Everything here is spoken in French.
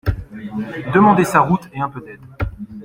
Demander sa route et un peu d’aide.